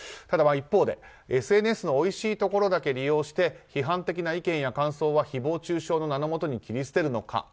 ただ一方で、ＳＮＳのおいしいところだけ利用して批判的な意見や感想は誹謗中傷の名のもとに切り捨てるのか？